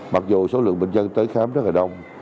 mặc dù số lượng bệnh nhân tới khám rất là đông